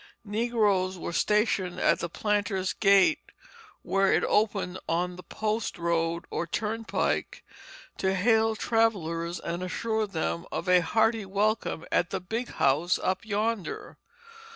Negroes were stationed at the planter's gate where it opened on the post road or turnpike, to hail travellers and assure them of a hearty welcome at the "big house up yonder."